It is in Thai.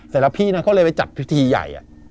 เสร็จแล้วพี่นะเขาเลยไปจัดพิธีใหญ่